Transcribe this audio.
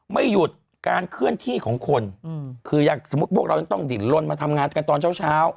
ไม่หยุดการเคลื่อนที่ของคนคืออย่างสมมุติพวกเรายังต้องดินลนมาทำงานกันตอนเช้าเช้า